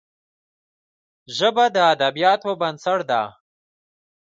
ژبه د ادبياتو بنسټ ده